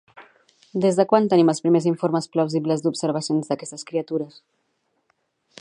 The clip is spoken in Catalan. Des de quan tenim els primers informes plausibles d'observacions d'aquestes criatures?